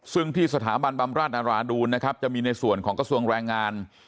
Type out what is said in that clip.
ซึ่งที่สถาบันบำราชนาราดูนนะครับจะมีในส่วนของกระทรวงแรงงาน